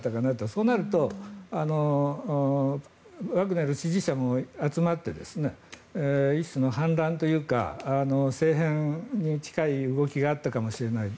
そうなると、ワグネル支持者も集まって一種の反乱というか政変に近い動きがあったかもしれない。